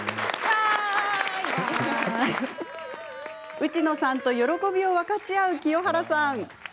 内野さんと喜びを分かち合う清原さん。